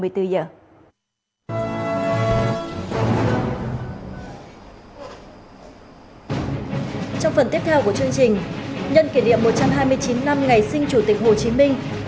trong phần tiếp theo của chương trình nhân kỷ niệm một trăm hai mươi chín năm ngày sinh chủ tịch hồ chí minh